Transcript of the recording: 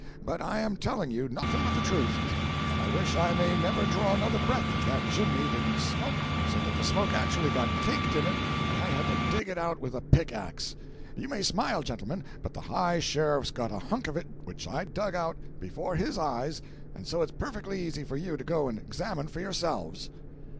But I am telling you nothing but the truth, and I wish I may never draw another breath if that chimney didn't smoke so that the smoke actually got caked in it and I had to dig it out with a pickaxe! You may smile, gentlemen, but the High Sheriff's got a hunk of it which I dug out before his eyes, and so it's perfectly easy for you to go and examine for yourselves."